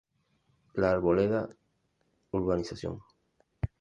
La Arboleda, Urb.